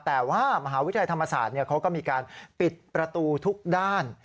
แต่ว่ามหาวิทยาลัยธรรมศาสตร์เขาก็มีการปิดประตูทุกด้าน